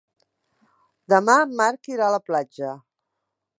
Demà en Marc irà a la platja.